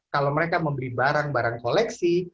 kalau mereka membeli barang barang koleksi